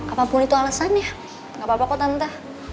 apapun itu alasannya gak apa apa kok tante